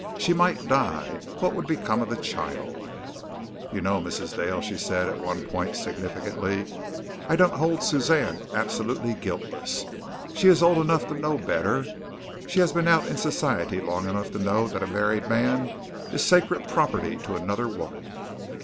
She might die. What would become of the child? "You know, Mrs. Dale," she said at one point significantly, "I don't hold Suzanne absolutely guiltless. She is old enough to know better. She has been out in society long enough to know that a married man is sacred property to another woman."